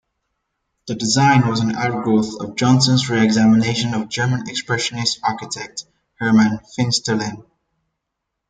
The design was an outgrowth of Johnson's reexamination of German expressionist architect Hermann Finsterlin.